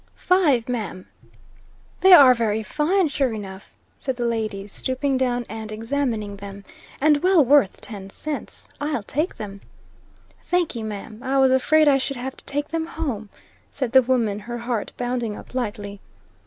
"Five, ma'am." "They are very fine, sure enough," said the lady, stooping down and examining them; "and well worth ten cents. I'll take them." "Thanky, ma'am. I was afraid I should have to take them home," said the woman, her heart bounding up lightly.